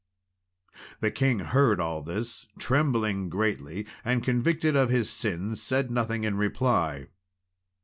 The king heard all this, trembling greatly; and, convicted of his sins, said nothing in reply.